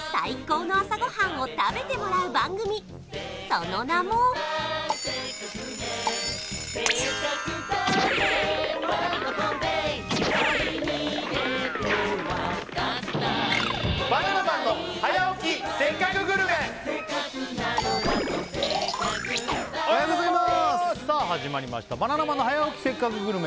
その名もおはようございますおはようございますさあ始まりました「バナナマンの早起きせっかくグルメ！！」